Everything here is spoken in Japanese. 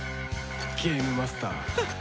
ゲームマスター。